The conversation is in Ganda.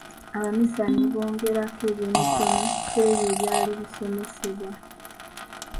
Abaminsani bongerako ebyemikono ku ebyo ebyali bisomesebwa.